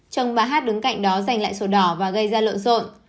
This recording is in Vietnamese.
chồng bà hát đứng cạnh đó giành lại sổ đỏ và gây ra lộn xộn